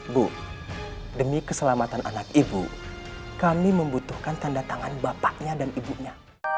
bu demi keselamatan anak ibu kami membutuhkan tanda tangan bapaknya dan ibunya